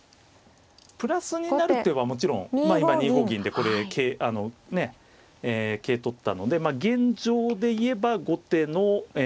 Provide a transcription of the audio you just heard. プラスになる手はもちろん今２五銀でこれ桂あのねえ桂取ったので現状で言えば後手のえ。